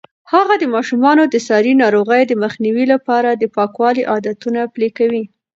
هغې د ماشومانو د ساري ناروغیو د مخنیوي لپاره د پاکوالي عادتونه پلي کوي.